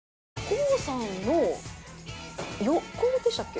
ＫＯＯさんの横でしたっけ？